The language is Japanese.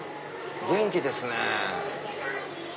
元気ですね。